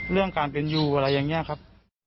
เรื่องการเป็นอยู่อะไรอย่างนี้ครับ